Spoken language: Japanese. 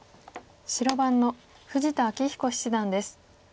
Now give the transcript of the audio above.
白番の富士田明彦七段です。